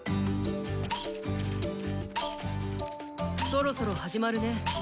そろそろ始まるね。